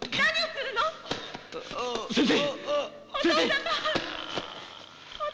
先生。